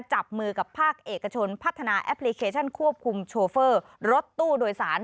จับมือกับภาคเอกชนพัฒนาแอปพลิเคชันควบคุมโชเฟอร์รถตู้โดยสาร